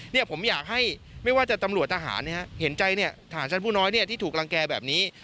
ผมอยากให้ไม่ว่าจะตำรวจทหารเห็นใจเนี่ยทหารชั้นผู้น้อยที่ถูกรังแก่แบบนี้